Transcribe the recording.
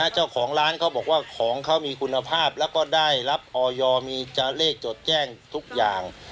เจ้าของร้านเขาบอกว่าของเขามีคุณภาพแล้วก็ได้รับออยมีจะเลขจดแจ้งทุกอย่าง